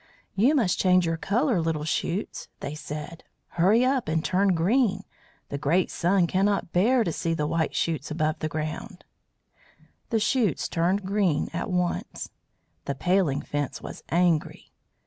"You must change your colour, little shoots," they said. "Hurry up and turn green. The great Sun cannot bear to see white shoots above the ground." The shoots turned green at once. The Paling Fence was angry.